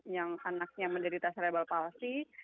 yang anaknya menderita cerebral palsy